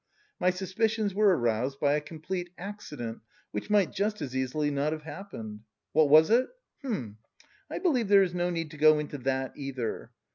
My suspicions were aroused by a complete accident, which might just as easily not have happened. What was it? Hm! I believe there is no need to go into that either.